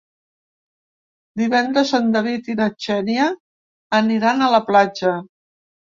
Divendres en David i na Xènia aniran a la platja.